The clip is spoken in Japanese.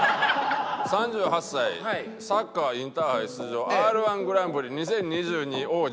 「３８歳」「サッカーインターハイ出場」「Ｒ−１グランプリ２０２２王者」